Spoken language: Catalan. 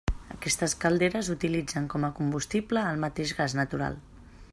Aquestes calderes utilitzen com a combustible el mateix gas natural.